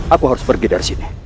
aku harus pergi dari sini